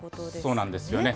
そうなんですよね。